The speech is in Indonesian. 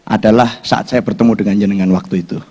adalah saat saya bertemu dengannya dengan waktu itu